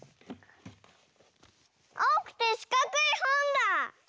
あおくてしかくいほんだ！